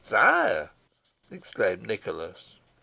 "Sire!" exclaimed Nicholas.